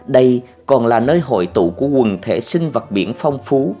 đây còn là nơi hội tụ của quần thể sinh vật biển phong phú